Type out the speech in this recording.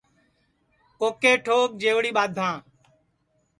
کوکے ٹھوک جئوڑی بادھاں